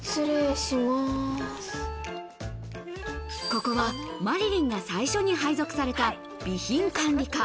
ここは麻理鈴が最初に配属された備品管理課。